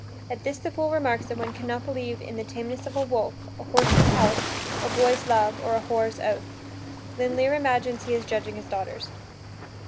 At this the fool remarks that one can not believe "in the tameness of a wolf, a horse's health, a boy's love, or a whore's oath." Then Lear imagines he is judging his daughters.